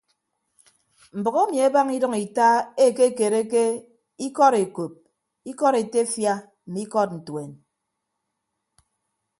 Mbʌk emi abaña idʌñ ita ekekereke ikọd ekop ikọd etefia mme ikọd ntuen.